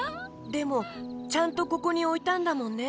でもちゃんとここにおいたんだもんね。